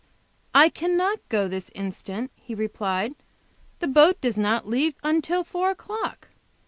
"I cannot go this instant," he replied. "The boat does not leave until four o'clock.